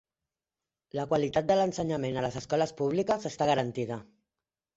La qualitat de l'ensenyament a les escoles públiques està garantida.